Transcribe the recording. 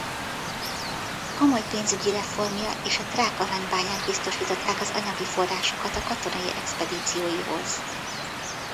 Komoly pénzügyi reformja és a trák aranybányák biztosították az anyagi forrásokat a katonai expedícióihoz.